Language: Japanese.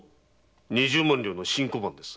二十万両の新小判です。